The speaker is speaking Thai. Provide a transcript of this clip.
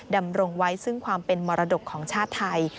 ดำรงไว้ซึ่งความเป็นมรดกของชาติไทย